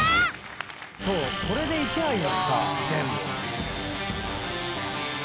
これでいきゃいいのにさ全部。